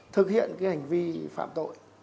thực hiện cái hành vi phạm tội